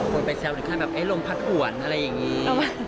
คนไปแซวในข้างแบบลงพัดอ่วนอะไรอย่างนี้